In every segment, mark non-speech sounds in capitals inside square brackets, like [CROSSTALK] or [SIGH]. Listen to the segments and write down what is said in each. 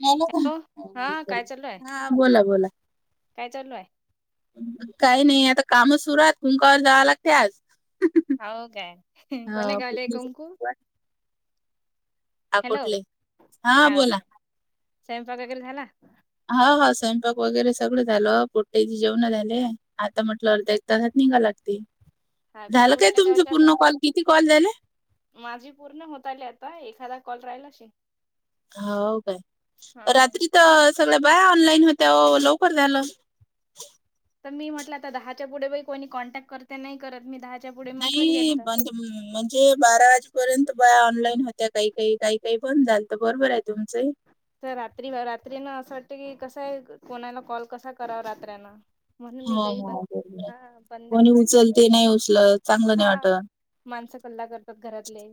झाला का? हॅलो हा काय चालू आहे हा बोला बोला. काय चालूयं? काही नाही आता कामच सुरू हात, कुंकावर जाव लागते आज. होव काय? कोणा हा गावलय पुटणीचं कुंकु? हॅलो आकोटले हा हाव बोला का? स्वयंपाक वैगेरे झाला? हा हा स्वयंपाक वगैरे सगळं झालं, पोट्ट्याची जेवण झाली. आता म्हटलं अर तसंच निघालाग ते, हा झालं काय कुठल्या तुमच गावच्या आता पूर्ण कॉल? किती कॉल झाले? माझी पूर्ण होत आली आता एखादा कॉल राहिला असेल. हो काय? हा रात्री तर सगळ्या बाया ऑनलाईन होत्या ओ लवकर झालं. तर मी म्हटलं आता दहाच्या पुढे बाई कोणी कॉन्टॅक्ट करते नाही करत. मी दहा नाही बंद. हम्म म्हणजे बारा वाजेपर्यंत बाया ऑनलाईन होत्या काही काही काही काही बंद झालत. बरोबर आहे तुमचंही. तर रात्री रात्रीन असं वाटतं की कसंय कोणाला कॉल कसा करावा रात्रन हो हो. बंद कोणी करून उचलते, नाही उचलत. चांगलं ठेव नाही हा वाटत. माणसं कल्ला करतात घरातले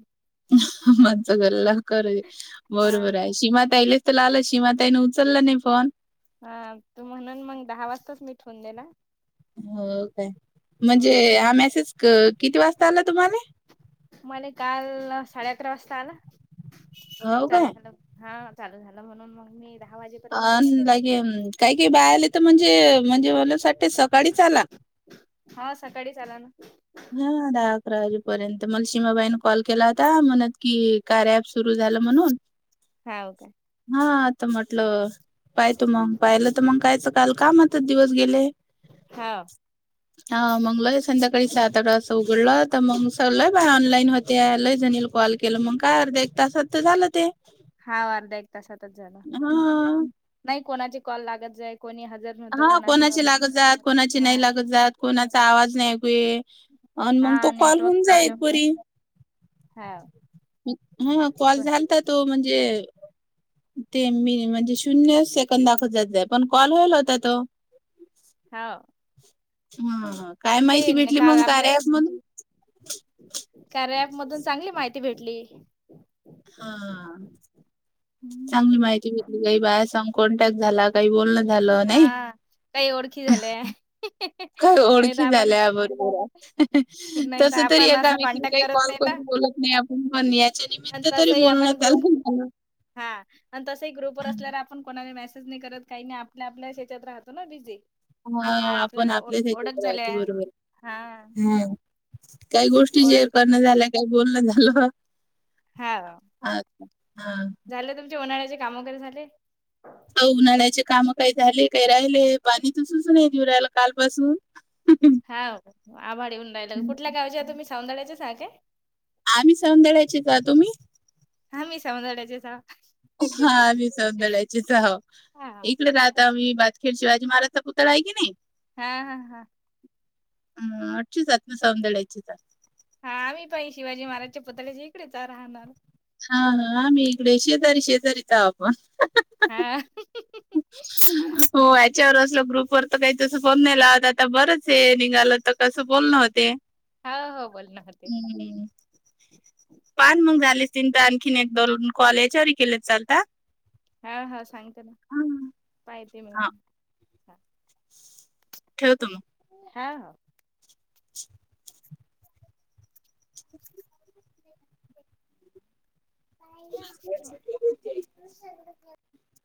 माणसं गल्ला कर. हा बरोबर आहे. सीमा ताईले तुला आलं सीमाताईने उचललं नाही फोन. हा. म्हणून मग दहा वाजताच मी ठेवून दिला. हो काय. म्हणजे हम्म हा मेसेज किती वाजता आला तुम्हासनी? मला काल साडे अकरा वाजता आला. हो काय हा चालू झाला. म्हणून मग मी दहा वाजे अ लागेन काय, काय, बायले तर म्हणजे म्हणजे मला साठी सकाळीच आला. हा सकाळीच आला ना. हा दहा अकरा वाजेपर्यंत मला सीमाबाईने कॉल केला होता. म्हणत की, कार्या ॲप सुरू झालं म्हणून. हा हो का. हा आता म्हटलं, पाही तो मग. पाहिलं तर मग कायचं काल कामातच दिवस गेल. हाव हा मंगळारी संध्याकाळी सात तर असं उघडलं तर मग सगळ बाय ऑनलाईन वरती हाय. लय जणीला कॉल केलं मग काय आता अर्थ्या, एक तासात तर झालं ते. हा अर्धा एक तासातच झाल. हा नाही कोणाची कॉल लागत नाही. कोणी हजर नव्हतं हा कोणाच कोणाची लागतात. कोणाची हा नाही लागतात. कोणाचा आवाज नाही ऐकु येत. आणि मग हा तो कॉल नेटवर्क होऊन प्रॉब्लेम जाईल होता पुरी. हाव ह कॉल को- झालता तो म्हणजे, ते मी म्हणजे शून्य सेकंद दाखवत जात्यात ते पण कॉल व्हायला होता तो. हाव. हा ह काय आणि माहिती ते भेटली काल मग, आपल्या कार्या ॲप मधून? कार्या ॲप मधून चांगली माहिती भेटली. हा हम्म. चांगली माहिती भेटली बाई. बाया सांग कॉन्टॅक्ट झाला. काही बोलणं झालं नाही हा काही ओळखी झाले. काही ओळखी झाल्या. बरोबर आहे. नाही तर तस तरी आपण असा एकामेकिन कॉन्टॅक्ट काही करत कॉल नाही ना करून बोलू नाही आपूण पण या आणि तसही आपण ग्रुप हा आणि तसही ग्रुपवर असल्यावर आपण आपण कोणाने मेसेज नाही करत. काही नाही. आपण आपल्या आपल्या याच्यात राहतो ना बिझी. हा आपण आपल्याला ओ आपलेच ऐकत ओळख झाल्या राहतो. बरोबर. हा हम्. काही गोष्टी शेअर करणं झाल्या. काही बोलण झालं. हा अच्छा. हां. झालं तुमचे उन्हाळ्याचे काम वगैरे झाल? हो उन्हाळ्याचे काम काही झाले. काही राहिले. पाणीच सुटून नाही राहील काल पासून. हाव आभाडी येऊन राहिलं. कुठल्या गावाच्या तुम्ही सावंदळ्याचेच हाय काय. आम्ही सौंदळ्याचे का तुम्ही? हा मी सौंदड्याचे आहोत. हा आम्ही सौंदड्याचेच आहोत. हा इकडे राहता मी, ब खिर शिवाजी महाराजाचा पुतळा आहे कणी, हा हा हा. हम. अख्खी सौंधळ्याचीच आहे. हा आम्ही पहि शिवाजी महाराजच्या पुतळ्याच्या इकडेच राहणार. हा हा आम्ही इकडे शेजारी शेजारीच अहो आपण. हा हो. ह्यांच्यावर असल्या ग्रुप वर आता त्या... तसं फोन नाही लावता, आता बरंच आहे, निघालं तर कसं बोलणं व्हतं ते. हा, हो बोलणं होते. पान मग झालीस तीन तर आणखीन एक धरुन कॉल याच्यावर केले चालता? हा, हा, सांगते ना, पाहिते मी हा मग हा ठेवतो मग हा [INAUDIBLE] [INAUDIBLE] [INAUDIBLE] पाहि ना हं मग. आता [INAUDIBLE] [UNINTELLIGIBLE]